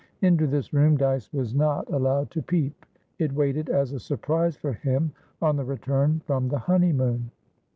Into this room Dyce was not allowed to peep; it waited as a surprise for him on the return from the honeymoon.